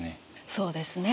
そうですね。